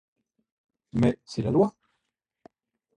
Mais c'est la Loi !